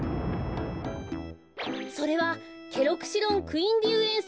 それはケロクシロンクインディウエンセ。